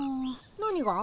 何が？